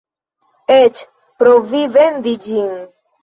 Eĉ provi vendi ĝin.